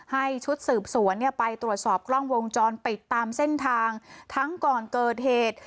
ให้ชุดสืบสวนเนี่ยไปตรวจสอบกล้องวงจรปิดตามเส้นทางทั้งก่อนเกิดเหตุ